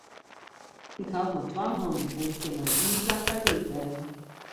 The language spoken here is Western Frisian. Ik haw mar twa hannen en ik kin mar op ien plak tagelyk wêze.